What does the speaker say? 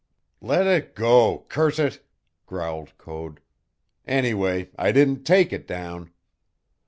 "Let it go, curse it," growled Code. "Anyway, I didn't take it down."